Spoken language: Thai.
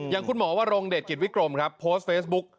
อย่างคุณหมอว่ารงเดชกิตวิกรมพโสด์เฟสบุ๊คมด้วย